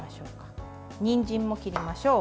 にんじんも切りましょう。